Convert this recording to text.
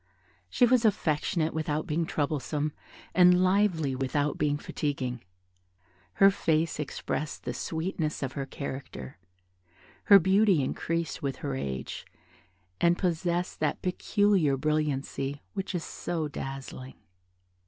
She was affectionate without being troublesome, and lively without being fatiguing; her face expressed the sweetness of her character: her beauty increased with her age, and possessed that peculiar brilliancy which is so dazzling.